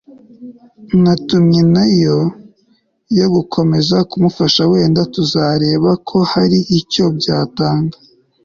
natumye nayo yo gukomeza kumufasha wenda tuzareba ko hari icyo byatanga